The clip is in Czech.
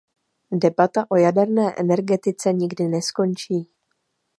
Debata o jaderné energetice nikdy neskončí.